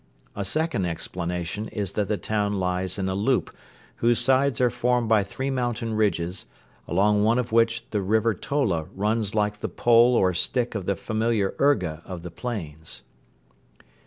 A second explanation is that the town lies in a "loop" whose sides are formed by three mountain ridges, along one of which the River Tola runs like the pole or stick of the familiar urga of the plains.